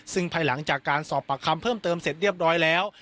ซึ่งภายหลังจากการสอบปากคำเพิ่มเติมเสร็จเรียบร้อยแล้ว